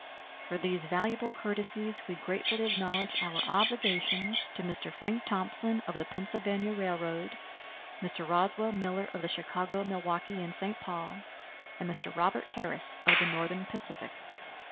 For these valuable courtesies we gratefully acknowledge our obligations to Mr. Frank Thomson, of the Pennsylvania Railroad; Mr. Roswell Miller, of the Chicago, Milwaukee and St. Paul; and Mr. Robert Harris, of the Northern Pacific.